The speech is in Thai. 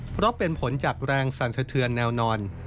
เพราะเป็นผลจากแรงสั่นสะเทือนแนวนอน